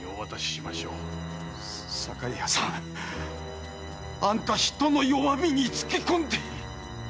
堺屋さん！あんた人の弱みにつけ込んで‼